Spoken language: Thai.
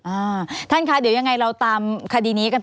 อ่าท่านคะเดี๋ยวยังไงเราตามคดีนี้กัน